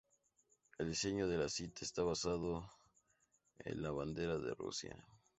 El diseño de la cinta está basado en la bandera de Rusia.